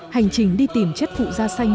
hành trình đi tìm chất phụ ra xanh